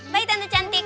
bye tante cantik